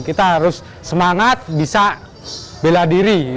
kita harus semangat bisa bela diri